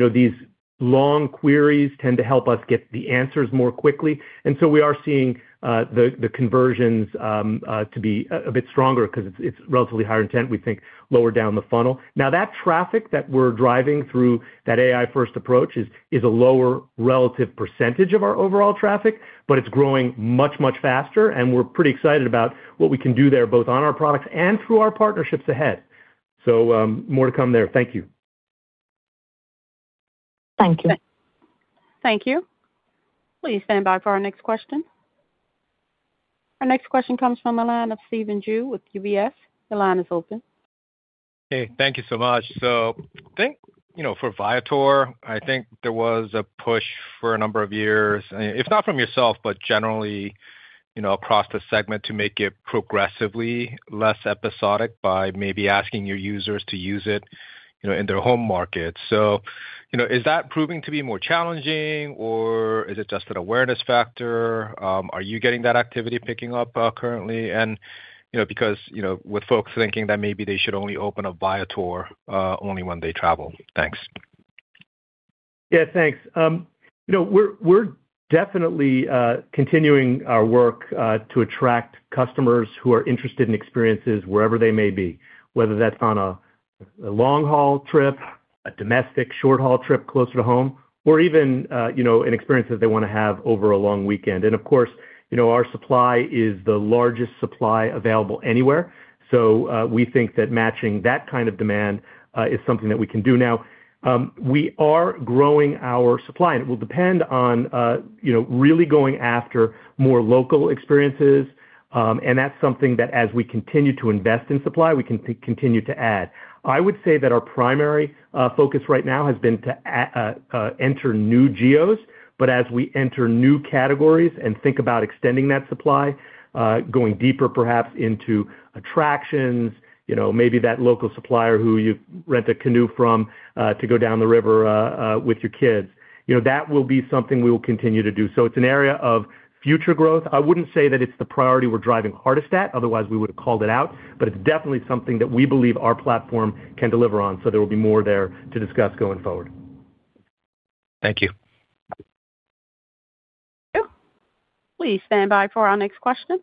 know, these long queries tend to help us get the answers more quickly. And so we are seeing the conversions to be a bit stronger because it's relatively higher intent, we think, lower down the funnel. Now, that traffic that we're driving through that AI-first approach is a lower relative percentage of our overall traffic, but it's growing much, much faster, and we're pretty excited about what we can do there, both on our products and through our partnerships ahead. So, more to come there. Thank you. Thank you. Thank you. Please stand by for our next question. Our next question comes from the line of Stephen Ju with UBS. The line is open. Hey, thank you so much. So I think, you know, for Viator, I think there was a push for a number of years, if not from yourself, but generally, you know, across the segment, to make it progressively less episodic by maybe asking your users to use it, you know, in their home market. So, you know, is that proving to be more challenging, or is it just an awareness factor? Are you getting that activity picking up, currently? And, you know, because, you know, with folks thinking that maybe they should only open a Viator, only when they travel. Thanks. Yeah, thanks. You know, we're definitely continuing our work to attract customers who are interested in experiences wherever they may be, whether that's on a long-haul trip, a domestic short-haul trip closer to home, or even, you know, an experience that they want to have over a long weekend. And of course, you know, our supply is the largest supply available anywhere. So, we think that matching that kind of demand is something that we can do. Now, we are growing our supply, and it will depend on, you know, really going after more local experiences. And that's something that as we continue to invest in supply, we can continue to add. I would say that our primary focus right now has been to enter new geos, but as we enter new categories and think about extending that supply, going deeper, perhaps into attractions, you know, maybe that local supplier who you rent a canoe from, to go down the river, with your kids, you know, that will be something we will continue to do. So it's an area of future growth. I wouldn't say that it's the priority we're driving hardest at; otherwise, we would have called it out, but it's definitely something that we believe our platform can deliver on. So there will be more there to discuss going forward. Thank you. Please stand by for our next question.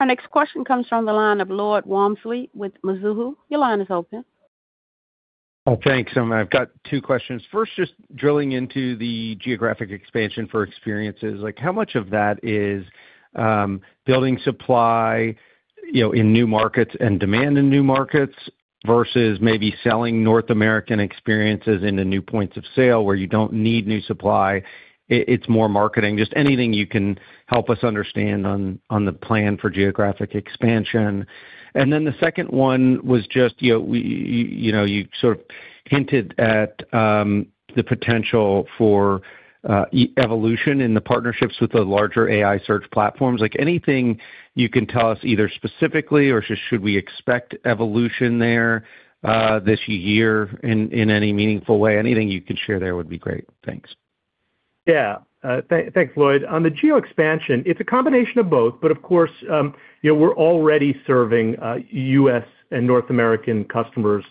Our next question comes from the line of Lloyd Walmsley with Mizuho. Your line is open. Well, thanks, and I've got two questions. First, just drilling into the geographic expansion for experiences, like, how much of that is building supply, you know, in new markets and demand in new markets, versus maybe selling North American experiences into new points of sale where you don't need new supply, it's more marketing? Just anything you can help us understand on the plan for geographic expansion. And then the second one was just, you know, you sort of hinted at the potential for evolution in the partnerships with the larger AI search platforms. Like, anything you can tell us, either specifically or just should we expect evolution there this year in any meaningful way? Anything you can share there would be great. Thanks. Yeah. Thanks, Lloyd. On the geo expansion, it's a combination of both, but of course, you know, we're already serving U.S. and North American customers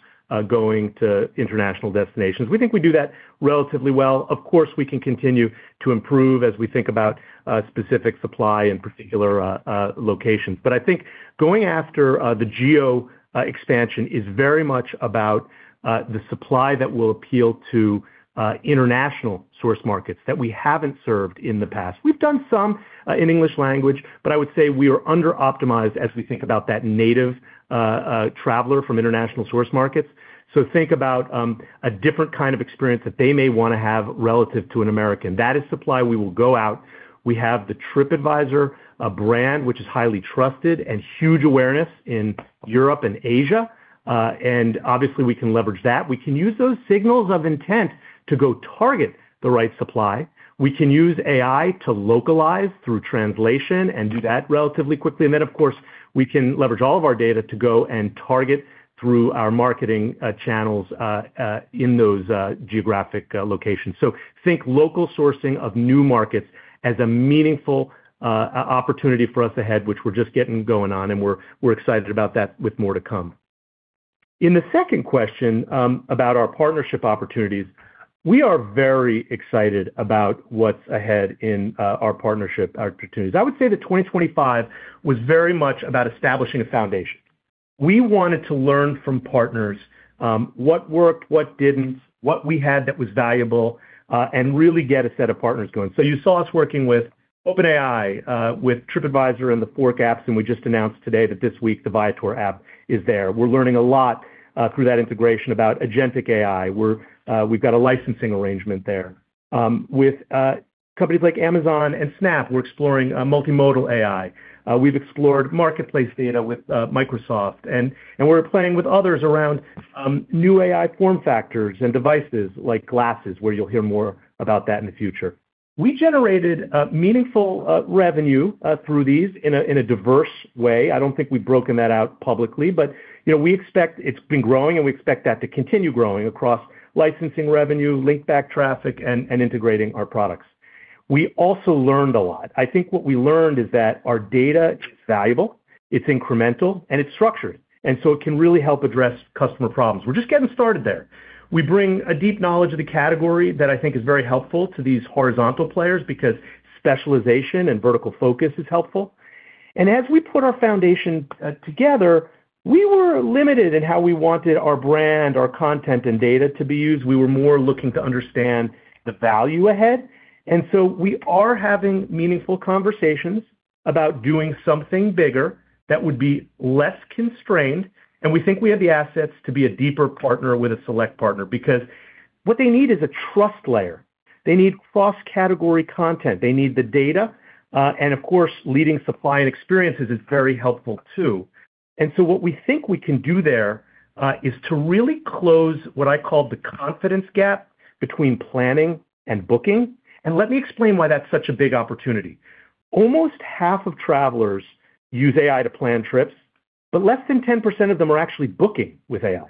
going to international destinations. We think we do that relatively well. Of course, we can continue to improve as we think about specific supply in particular locations. But I think going after the geo expansion is very much about the supply that will appeal to international source markets that we haven't served in the past. We've done some in English language, but I would say we are under optimized as we think about that native traveler from international source markets. So think about a different kind of experience that they may wanna have relative to an American. That is supply we will go out. We have the Tripadvisor, a brand which is highly trusted and huge awareness in Europe and Asia, and obviously, we can leverage that. We can use those signals of intent to go target the right supply. We can use AI to localize through translation and do that relatively quickly. And then, of course, we can leverage all of our data to go and target through our marketing channels in those geographic locations. So think local sourcing of new markets as a meaningful opportunity for us ahead, which we're just getting going on, and we're excited about that with more to come. In the second question, about our partnership opportunities, we are very excited about what's ahead in our partnership opportunities. I would say that 2025 was very much about establishing a foundation. We wanted to learn from partners, what worked, what didn't, what we had that was valuable, and really get a set of partners going. So you saw us working with OpenAI, with Tripadvisor and the core apps, and we just announced today that this week the Viator app is there. We're learning a lot, through that integration about agentic AI, we're, we've got a licensing arrangement there. With companies like Amazon and Snap, we're exploring a multimodal AI. We've explored marketplace data with Microsoft, and we're playing with others around, new AI form factors and devices like glasses, where you'll hear more about that in the future. We generated meaningful revenue through these in a diverse way. I don't think we've broken that out publicly, but, you know, we expect it's been growing, and we expect that to continue growing across licensing revenue, link back traffic, and integrating our products. We also learned a lot. I think what we learned is that our data is valuable, it's incremental, and it's structured, and so it can really help address customer problems. We're just getting started there. We bring a deep knowledge of the category that I think is very helpful to these horizontal players because specialization and vertical focus is helpful. As we put our foundation together, we were limited in how we wanted our brand, our content and data to be used. We were more looking to understand the value ahead, and so we are having meaningful conversations about doing something bigger that would be less constrained, and we think we have the assets to be a deeper partner with a select partner. Because what they need is a trust layer. They need cross-category content, they need the data, and of course, leading supply and experiences is very helpful too. And so what we think we can do there, is to really close what I call the confidence gap between planning and booking. And let me explain why that's such a big opportunity. Almost half of travelers use AI to plan trips, but less than 10% of them are actually booking with AI.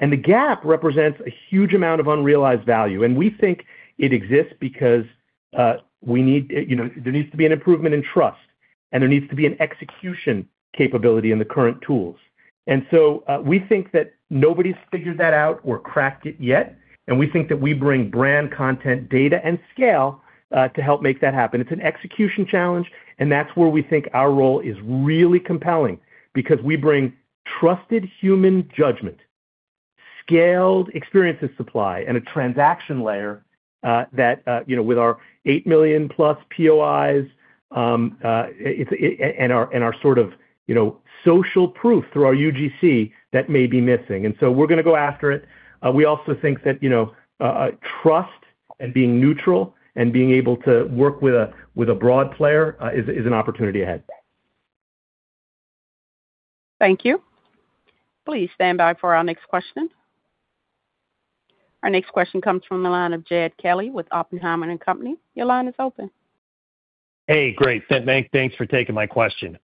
And the gap represents a huge amount of unrealized value, and we think it exists because, we need... You know, there needs to be an improvement in trust, and there needs to be an execution capability in the current tools. And so, we think that nobody's figured that out or cracked it yet, and we think that we bring brand, content, data, and scale to help make that happen. It's an execution challenge, and that's where we think our role is really compelling because we bring trusted human judgment... scaled experiences supply and a transaction layer, you know, with our 8 million+ POIs, it's and our sort of, you know, social proof through our UGC, that may be missing, and so we're gonna go after it. We also think that, you know, trust and being neutral and being able to work with a broad player is an opportunity ahead. Thank you. Please stand by for our next question. Our next question comes from the line of Jed Kelly with Oppenheimer and Company. Your line is open. Hey, great, thank, thanks for taking my question.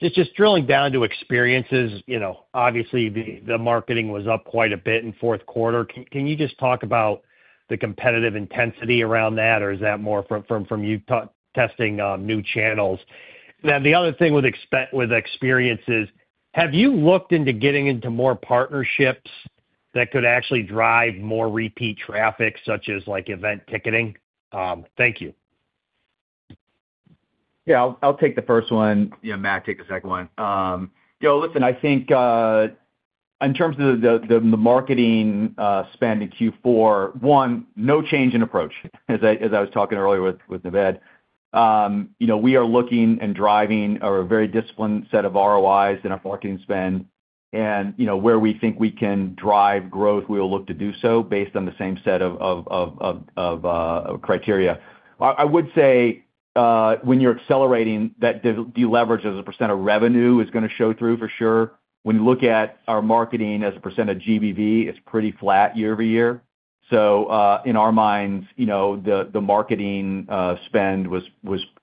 Just, just drilling down to experiences, you know, obviously, the marketing was up quite a bit in fourth quarter. Can you just talk about the competitive intensity around that or is that more from you testing new channels? Then the other thing with experiences, have you looked into getting into more partnerships that could actually drive more repeat traffic, such as, like, event ticketing? Thank you. Yeah, I'll take the first one. Yeah, Matt, take the second one. Listen, I think in terms of the marketing spend in Q4, one, no change in approach, as I was talking earlier with Naved. You know, we are looking and driving a very disciplined set of ROIs in our marketing spend and, you know, where we think we can drive growth, we will look to do so based on the same set of criteria. I would say when you're accelerating, that deleverage as a percent of revenue is gonna show through for sure. When you look at our marketing as a percent of GBV, it's pretty flat year-over-year. So, in our minds, you know, the marketing spend was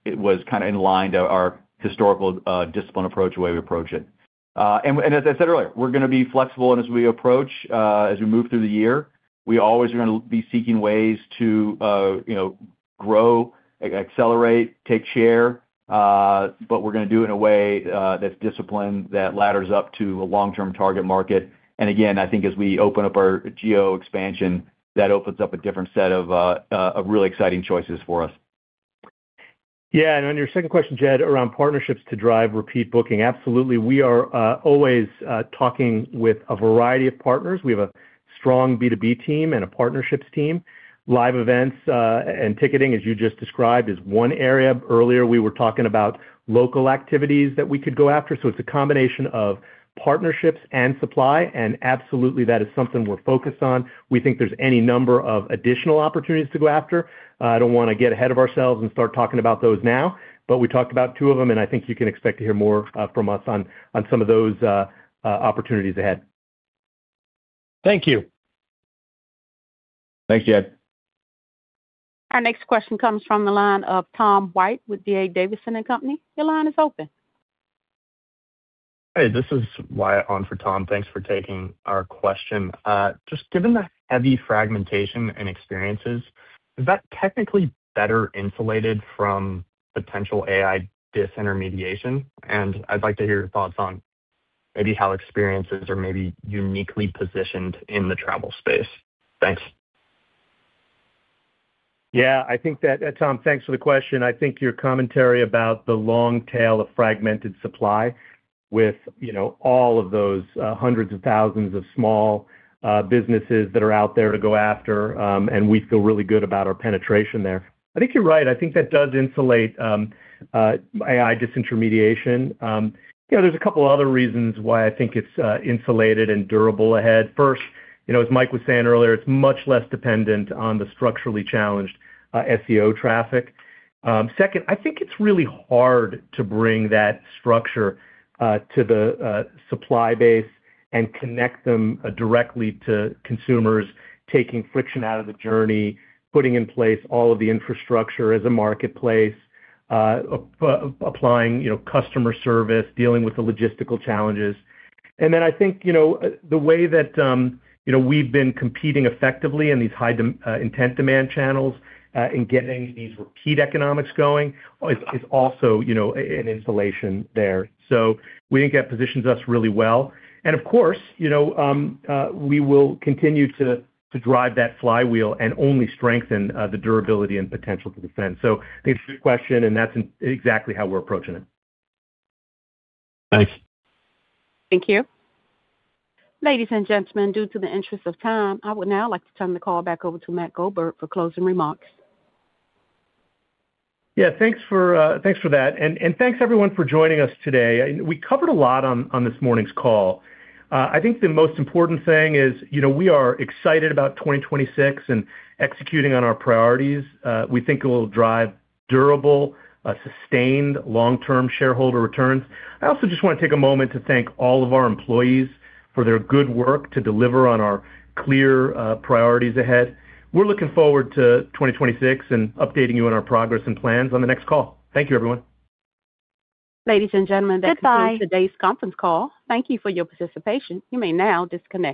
kinda in line to our historical disciplined approach, the way we approach it. And as I said earlier, we're gonna be flexible, and as we approach, as we move through the year, we always are gonna be seeking ways to, you know, grow, accelerate, take share, but we're gonna do it in a way that's disciplined, that ladders up to a long-term target market. And again, I think as we open up our geo expansion, that opens up a different set of really exciting choices for us. Yeah, and on your second question, Jed, around partnerships to drive repeat booking, absolutely. We are always talking with a variety of partners. We have a strong B2B team and a partnerships team. Live events and ticketing, as you just described, is one area. Earlier, we were talking about local activities that we could go after. So it's a combination of partnerships and supply, and absolutely, that is something we're focused on. We think there's any number of additional opportunities to go after. I don't wanna get ahead of ourselves and start talking about those now, but we talked about two of them, and I think you can expect to hear more from us on some of those opportunities ahead. Thank you. Thanks, Jed. Our next question comes from the line of Tom White with D.A. Davidson and Company. Your line is open. Hey, this is Wyatt on for Tom. Thanks for taking our question. Just given the heavy fragmentation and experiences, is that technically better insulated from potential AI disintermediation? And I'd like to hear your thoughts on maybe how experiences are maybe uniquely positioned in the travel space. Thanks. Yeah, I think that... Tom, thanks for the question. I think your commentary about the long tail of fragmented supply with, you know, all of those, hundreds of thousands of small, businesses that are out there to go after, and we feel really good about our penetration there. I think you're right. I think that does insulate, AI disintermediation. You know, there's a couple other reasons why I think it's, insulated and durable ahead. First, you know, as Mike was saying earlier, it's much less dependent on the structurally challenged, SEO traffic. Second, I think it's really hard to bring that structure to the supply base and connect them directly to consumers, taking friction out of the journey, putting in place all of the infrastructure as a marketplace, applying, you know, customer service, dealing with the logistical challenges. And then I think, you know, the way that, you know, we've been competing effectively in these high intent demand channels, in getting these repeat economics going is also, you know, an insulation there. So we think that positions us really well. And of course, you know, we will continue to drive that flywheel and only strengthen the durability and potential to defend. So thanks for the question, and that's exactly how we're approaching it. Thanks. Thank you. Ladies and gentlemen, due to the interest of time, I would now like to turn the call back over to Matt Goldberg for closing remarks. Yeah, thanks for, thanks for that. And thanks, everyone, for joining us today. We covered a lot on, on this morning's call. I think the most important thing is, you know, we are excited about 2026 and executing on our priorities. We think it will drive durable, sustained long-term shareholder returns. I also just wanna take a moment to thank all of our employees for their good work to deliver on our clear, priorities ahead. We're looking forward to 2026 and updating you on our progress and plans on the next call. Thank you, everyone. Ladies and gentlemen- Goodbye. That concludes today's conference call. Thank you for your participation. You may now disconnect.